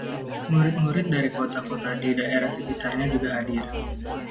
Murid-murid dari kota-kota di daerah sekitarnya juga hadir.